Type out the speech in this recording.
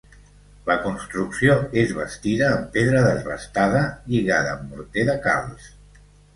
La construcció és bastida en pedra desbastada lligada amb morter de calç.